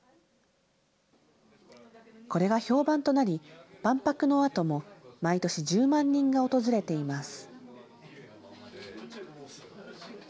これが評判となり、万博のあとも毎年１０万人が訪れています。